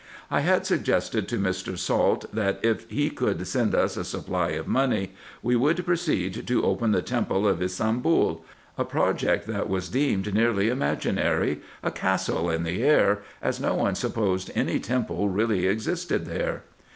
I had suggested to Mr. Salt, that, if he could send us a supply of money, we would proceed to open the temple of Ybsambul ; a project that was deemed nearly imaginary, a castle in the air, as no one supposed any temple really existed there.